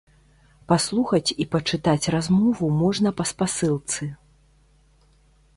Паслухаць і пачытаць размову можна па спасылцы.